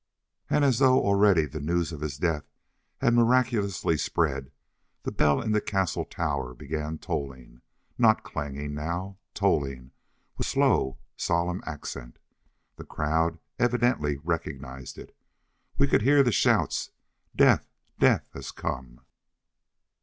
And as though already the news of his death had miraculously spread, the bell in the castle tower began tolling. Not clanging now. Tolling, with slow, solemn accent. The crowd evidently recognized it. We could hear the shouts: "Death! Death has come!"